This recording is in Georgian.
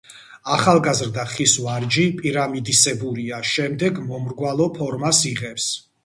ახალგაზრდა ხის ვარჯი პირამიდისებურია, შემდეგ მომრგვალო ფორმას იღებს.